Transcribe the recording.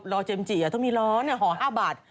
เจมส์จิต้องมีร้อนห่อ๕บาท